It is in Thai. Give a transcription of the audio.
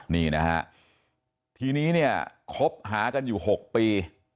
นี่นะฮะทีนี้เนี่ยคบหากันอยู่๖ปี